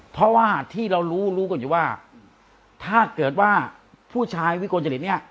เพราะว่าที่เรารู้รู้กันอยู่ว่าถ้าเกิดว่าผู้ชายวิกลจริตเนี่ย